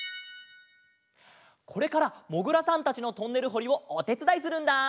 これからもぐらさんたちのトンネルほりをおてつだいするんだ！